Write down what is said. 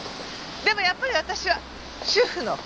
でもやっぱり私は主婦の勘！